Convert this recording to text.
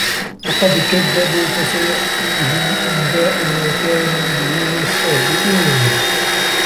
فَقَد كَذَّبوا فَسَيَأتيهِم أَنباءُ ما كانوا بِهِ يَستَهزِئونَ